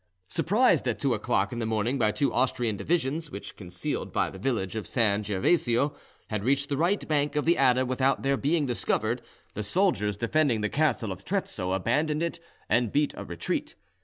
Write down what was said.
Surprised at two o'clock in the morning by two Austrian divisions, which, concealed by the village of San Gervasio, had reached the right bank of the Adda without their being discovered, the soldiers defending the castle of Trezzo abandoned it and beat a retreat.